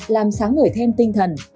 làm sáng ngửi thêm tinh thần